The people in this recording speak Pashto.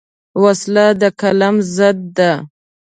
وسله د قلم ضد ده